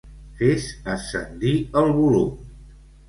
Fes ascendir el volum.